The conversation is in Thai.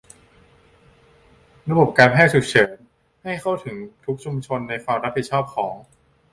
ระบบการแพทย์ฉุกเฉินให้เข้าถึงทุกชุมชนในความรับผิดชอบของ